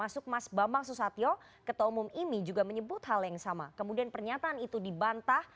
selamat sore nana